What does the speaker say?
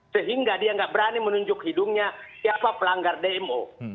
sehingga dia nggak berani menunjuk hidungnya siapa pelanggar dmo